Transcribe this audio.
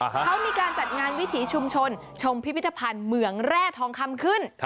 เขามีการจัดงานวิถีชุมชนชมพิพิธภัณฑ์เหมืองแร่ทองคำขึ้น